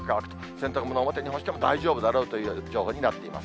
洗濯物、表に干しても大丈夫だろうという情報になっています。